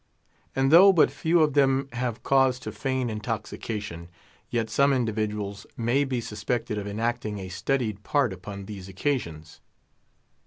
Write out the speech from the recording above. And though but few of them have cause to feign intoxication, yet some individuals may be suspected of enacting a studied part upon these occasions.